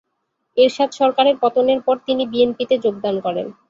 এরশাদ সরকারের পতনের পর তিনি বিএনপিতে যোগদান করেন।